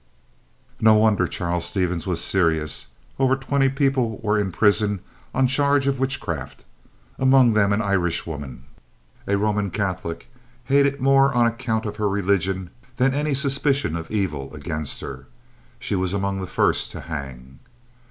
No wonder Charles Stevens was serious. Over twenty people were in prison on charge of witchcraft, among them an Irish woman, a Roman Catholic, hated more on account of her religion than any suspicion of evil against her. She was among the first to hang.